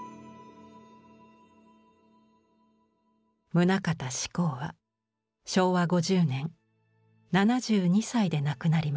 棟方志功は昭和５０年７２歳で亡くなりました。